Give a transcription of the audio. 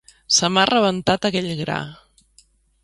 Se m'ha rebentat aquell gra.